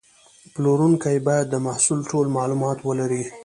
پلورونکی باید د محصول ټول معلومات ولري.